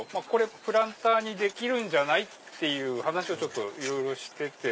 プランターにできるんじゃない？って話をいろいろしてて。